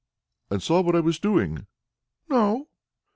"And saw what I was doing?" "No."